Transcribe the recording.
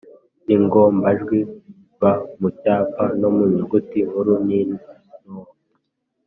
n’ingombajwi b mu cyapa no mu nyuguti nkuru n’into;.